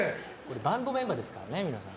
バンドメンバーですからね皆さん。